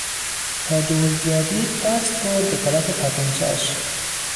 تا دزد را دید دست برد به طرف تپانچهاش.